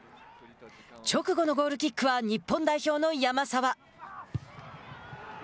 直後のゴールキックは日本代表の山沢。